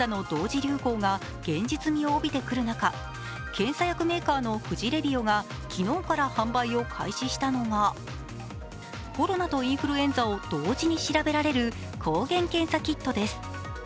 流行が現実味を帯びてくる中、検査薬メーカーの富士レビオが昨日から販売を開始したのがコロナとインフルエンザを同時に調べられる抗原検査キットです。